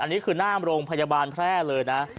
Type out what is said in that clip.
อันนี้คือหน้าโรงพยาบาลแพร่เลยนะ